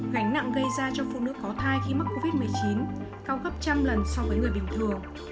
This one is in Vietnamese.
gánh nặng gây ra cho phụ nữ có thai khi mắc covid một mươi chín cao gấp trăm lần so với người bình thường